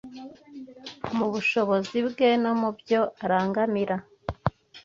mu bushobozi bwe no mu byo arangamira